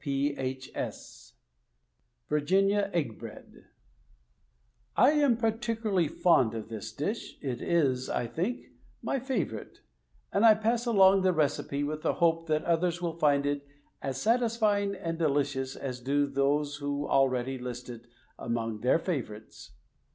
S.P.H.S.) VIRGINIA EGG BREAD I am particularly fond of this dish — it is, I think, my favorite, and I pass along the recipe with the hope that others will find it as satisfying and delicious as do those who already list it among their favorites.